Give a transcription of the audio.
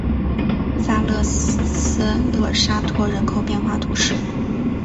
萨勒斯勒沙托人口变化图示